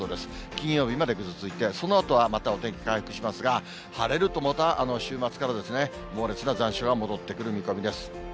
金曜日までぐずついて、そのあとはまたお天気回復しますが、晴れるとまた週末から、猛烈な残暑が戻ってくる見込みです。